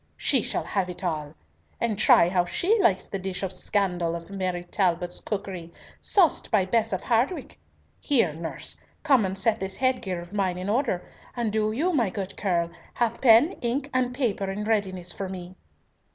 She shall have it all, and try how she likes the dish of scandal of Mary Talbot's cookery, sauced by Bess of Hardwicke. Here, nurse, come and set this head gear of mine in order, and do you, my good Curll, have pen, ink, and paper in readiness for me."